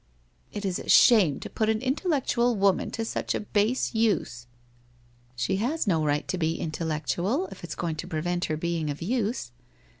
' It is a shame to put an intellectual woman to such a base use.' ' She has no right to be intellectual, if it's going to prevent her being of use.